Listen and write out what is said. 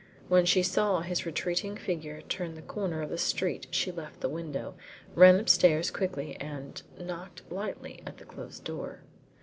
When she saw his retreating figure turn the corner of the street she left the window, ran upstairs quickly, and knocked lightly at the closed door.